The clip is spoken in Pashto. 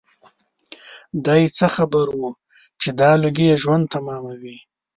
دای څه خبر و چې دا لوګي یې ژوند تماموي.